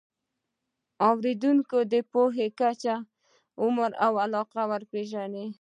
د اورېدونکو د پوهې کچه، عمر او علاقه وپېژنئ.